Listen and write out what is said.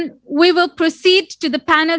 kami akan lanjutkan sesi pembicaraan panel